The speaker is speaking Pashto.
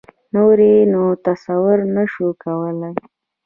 نور یې نو تصور نه شو کولای.